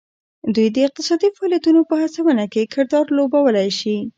دوی د اقتصادي فعالیتونو په هڅونه کې کردار لوبولی شي